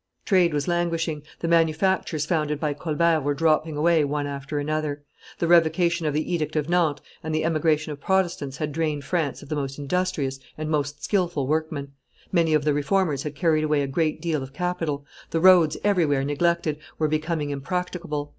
Trade was languishing, the manufactures founded by Colbert were dropping away one after another; the revocation of the edict of Nantes and the emigration of Protestants had drained France of the most industrious and most skilful workmen; many of the Reformers had carried away a great deal of capital; the roads, everywhere neglected, were becoming impracticable.